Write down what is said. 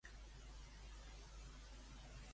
Rajoy està disposat a fer declaracions a la premsa?